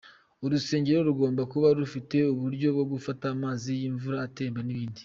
Urusengero rugomba kuba rufite uburyo bwo gufata amazi y'imvura, atemba n'ibindi.